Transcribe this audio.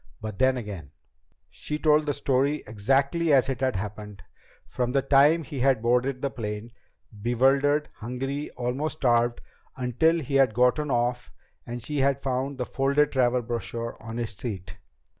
But then again ... She told the story exactly as it had happened. From the time he had boarded the airplane, bewildered, hungry, almost starved, until he had gotten off and she had found the folded travel brochure on his seat.